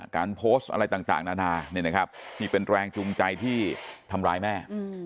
การโพสต์อะไรต่างจากนานาเนี่ยนะครับนี่เป็นแรงชุมใจที่ทำร้ายแม่